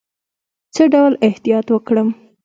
څه ډول احتیاط وکړم؟